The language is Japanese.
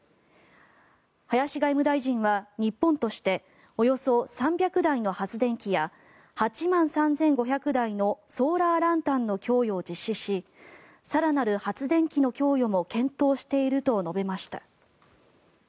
林外務大臣は日本としておよそ３００台の発電機や８万３５００台のソーラー・ランタンの供与を実施し更なる発電機の供与も検討していると述べました。